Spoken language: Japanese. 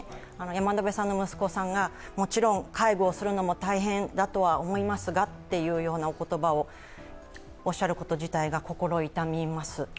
山野辺さんの息子さんがもちろん介護をするのも大変だとは思いますがというようなお言葉をおっしゃること自体が心痛みます。